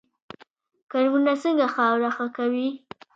کرمونه څنګه خاوره ښه کوي؟